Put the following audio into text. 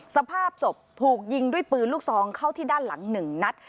สภาพศพถูกยิงด้วยปืนลูกซองเข้าที่ด้านหลัง๑นัด